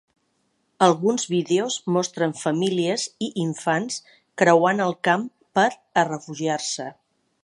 Alguns vídeos mostren famílies i infants creuant el camp per a refugiar-se.